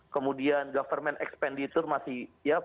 kemudian government expenditure masih lima puluh lima puluh